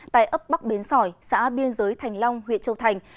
tại ấp bắc bến sỏi xã biên giới thành long huyện châu thành